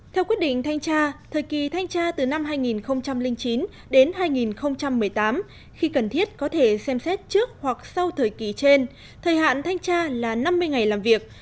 theo quyết định thanh tra thời kỳ thanh tra từ năm hai nghìn chín đến hai nghìn một mươi tám khi cần thiết có thể xem xét trước hoặc sau thời kỳ trên thời hạn thanh tra là năm mươi ngày làm việc